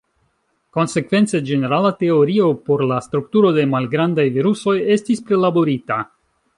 Konsekvence, ĝenerala teorio por la strukturo de malgrandaj virusoj estis prilaborita.